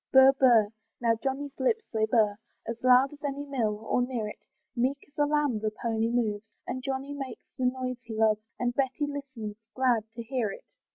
Burr, burr now Johnny's lips they burr, As loud as any mill, or near it, Meek as a lamb the pony moves, And Johnny makes the noise he loves, And Betty listens, glad to hear it.